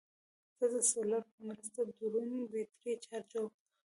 زه د سولر په مرسته ډرون بیټرۍ چارجوم.